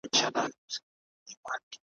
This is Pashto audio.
ویل دا تعویذ دي زوی ته کړه په غاړه `